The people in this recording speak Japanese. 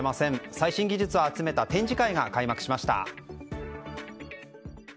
最新技術を集めた展示会が開幕しました。